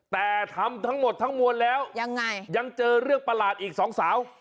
แต่ทำทั้งหมดทั้งมวลแล้วยังไงยังเจอเรื่องประหลาดอีกสองสาว